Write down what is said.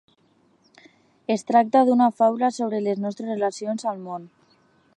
Es tracta d'una faula sobre les nostres relacions al món.